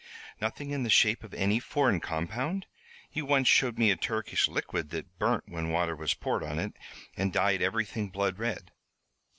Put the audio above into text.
"Nothing in the shape of any foreign compound? You once showed me a Turkish liquid that burnt when water was poured on it, and dyed everything blood red."